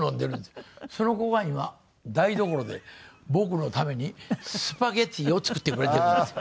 その子が今台所で僕のためにスパゲティを作ってくれてるんですよ。